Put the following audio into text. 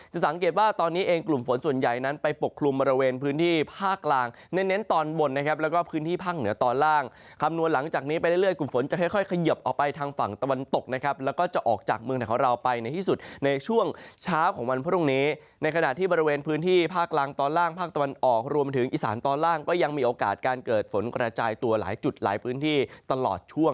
จะสังเกตว่าตอนนี้เองกลุ่มฝนส่วนใหญ่นั้นไปปกครุมบริเวณพื้นที่ภาคล่างเน้นตอนบนนะครับแล้วก็พื้นที่ภาคเหนือตอนล่างคำนวณหลังจากนี้ไปเรื่อยกลุ่มฝนจะค่อยเขยิบออกไปทางฝั่งตะวันตกนะครับแล้วก็จะออกจากเมืองที่เขาเราไปในที่สุดในช่วงช้าของวันพรุ่งนี้ในขณะที่บริเวณพื้นที่ภาคล